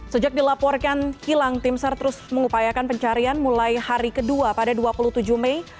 sejak dilaporkan hilang tim sar terus mengupayakan pencarian mulai hari kedua pada dua puluh tujuh mei